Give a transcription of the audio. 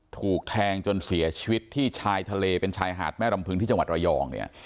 ถูกแทงจนเสียชีวิตที่ชายทะเลเป็นชายหาดแม่รำพึงที่จังหวัดระยองเนี่ย